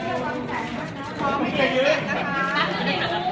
ขอบคุณแม่ก่อนต้องกลางนะครับ